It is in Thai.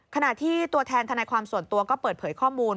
ขณะที่ตัวแทนทนายความส่วนตัวก็เปิดเผยข้อมูล